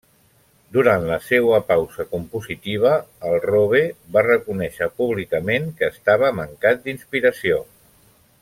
Durant la seua pausa compositiva, el Robe va reconéixer públicament que estava mancat d'inspiració.